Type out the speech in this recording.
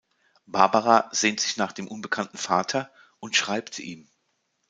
Barbara sehnt sich nach dem unbekannten Vater und schreibt ihm.